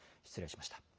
失礼しました。